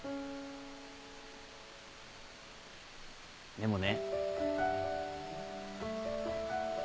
でもね。